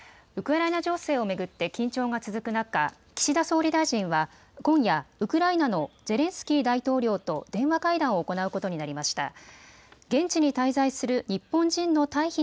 ウクライナ情勢を巡って緊張が続く中、岸田総理大臣は今夜、ウクライナのゼレンスキー大統領と電話会談を行うことになりました。